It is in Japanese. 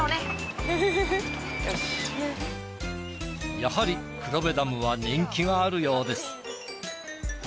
やはり黒部ダムは人気があるようです。